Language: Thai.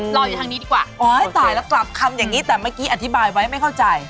รออยู่ทางนี้ดีกว่า